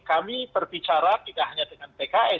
kami berbicara tidak hanya dengan pks